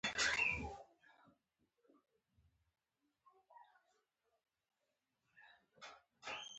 ترموز د نجلۍ د کارتو بکس ته ور ننوځي.